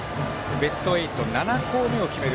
ベスト８、７校目を決める